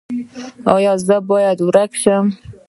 ایا زه باید ورک شم؟